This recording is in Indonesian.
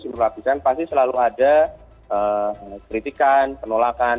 seluruh ratusan pasti selalu ada kritikan penolakan